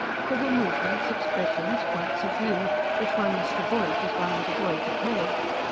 There were movements, expressions, points of view, which one must avoid as one would avoid the plague.